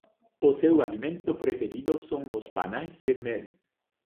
O seu alimento preferido son os panais de mel.